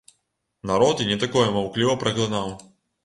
Народ і не такое маўкліва праглынаў.